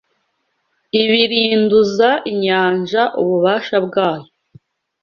Ibirinduza inyanja ububasha bwayo